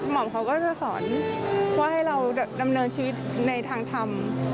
หมอมเขาก็จะสอนว่าให้เราดำเนินชีวิตในทางทำ